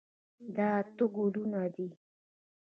دا اته ګلونه دي.